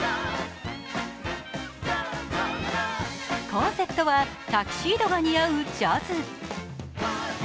コンセプトは、タキシードが似合うジャズ。